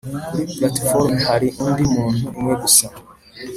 kuri platifomu hari undi muntu umwe gusa